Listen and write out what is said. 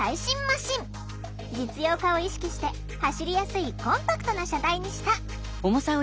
実用化を意識して走りやすいコンパクトな車体にした。